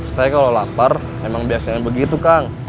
saya kalau lapar emang biasanya begitu kang